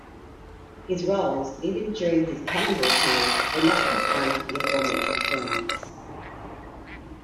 His roles, even during his Cannonball period, were not confined to the aforementioned films.